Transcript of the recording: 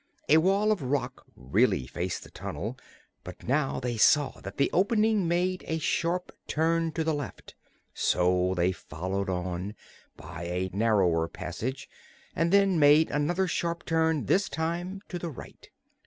A wall of rock really faced the tunnel, but now they saw that the opening made a sharp turn to the left. So they followed on, by a narrower passage, and then made another sharp turn this time to the right.